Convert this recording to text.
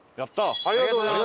ありがとうございます。